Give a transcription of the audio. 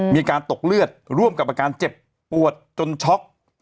มีการตกเลือดร่วมกับอาการเจ็บปวดจนช็อก